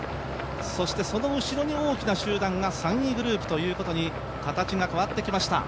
そしてその後ろに大きな集団が３位グループと形が変わってきました。